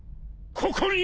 ここに！